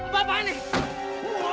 kau jadi dewa